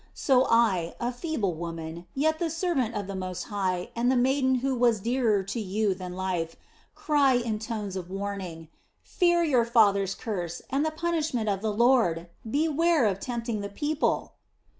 So I, a feeble woman, yet the servant of the Most High and the maiden who was dearer to you than life, cry in tones of warning: Fear your father's curse and the punishment of the Lord! Beware of tempting the people."